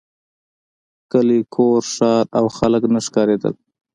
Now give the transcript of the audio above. کلی کور ښار او خلک نه ښکارېدل.